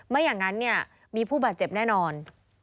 ไม่อย่างนั้นเนี่ยมีผู้บาดเจ็บแน่นอน